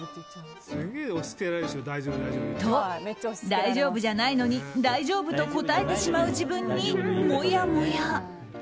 と、大丈夫じゃないのに大丈夫と答えてしまう自分にもやもや。